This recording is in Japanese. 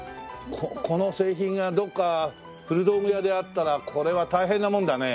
この製品がどこか古道具屋であったらこれは大変なものだね。